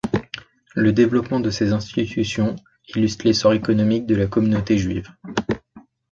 Le développement de ces institutions illustre l'essor économique de la communauté juive.